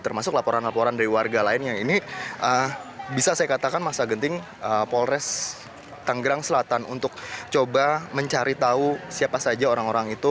termasuk laporan laporan dari warga lain yang ini bisa saya katakan masa genting polres tanggerang selatan untuk coba mencari tahu siapa saja orang orang itu